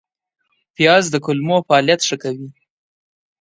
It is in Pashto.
پیاز د کولمو فعالیت ښه کوي